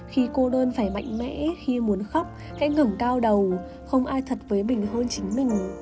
khi cô đơn phải mạnh mẽ khi muốn khóc cái ngẩu cao đầu không ai thật với mình hơn chính mình